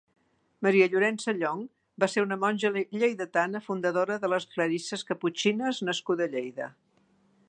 Maria Llorença Llong va ser una monja lleidatana fundadora de les clarisses caputxines nascuda a Lleida.